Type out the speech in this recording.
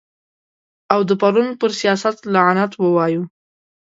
او د پرون پر سیاست لعنت ووایو.